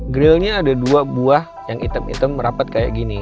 grillnya ada dua buah yang hitam hitam merapat kayak gini